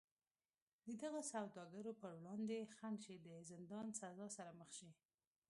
د دغو سوداګرو پر وړاندې خنډ شي د زندان سزا سره مخ شي.